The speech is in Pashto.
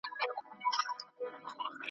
شپه مي نیمی که له آذانه پر ما ښه لګیږي `